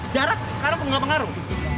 jarak sekarang nggak mengaruh